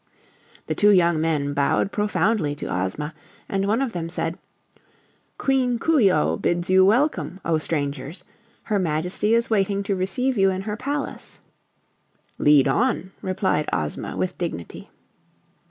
The two young men bowed profoundly to Ozma, and one of them said: "Queen Coo ee oh bids you welcome, O Strangers. Her Majesty is waiting to receive you in her palace." "Lead on," replied Ozma with dignity.